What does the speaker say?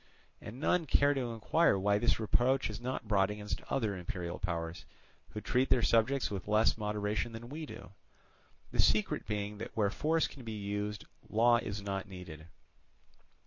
And none care to inquire why this reproach is not brought against other imperial powers, who treat their subjects with less moderation than we do; the secret being that where force can be used, law is not needed.